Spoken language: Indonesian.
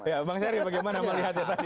ya bang seri bagaimana melihatnya tadi